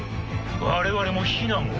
我々も避難を。